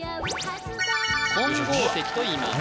金剛石といいます